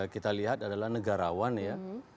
kita lihat adalah negarawan ya